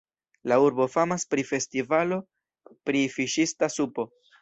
La urbo famas pri festivalo pri fiŝista supo.